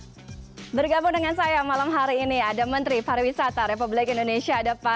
hai bergabung dengan saya malam hari ini ada menteri pariwisata republik indonesia ada pak